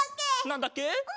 なんだっけ？